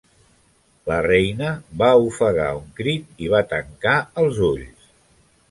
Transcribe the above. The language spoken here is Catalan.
La reina va ofegar un crit i va tancar els ulls.